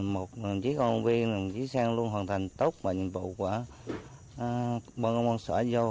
một chiếc con viên đồng chí sang luôn hoàn thành tốt vào nhiệm vụ của bà con con sở dâu